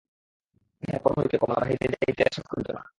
ইহার পর হইতে কমলা বাহিরে যাইতে আর সাহস করিত না।